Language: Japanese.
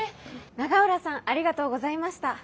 永浦さんありがとうございました。